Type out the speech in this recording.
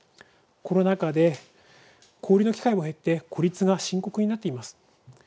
コロナ禍で交流の機会が減って孤立が深刻になっています。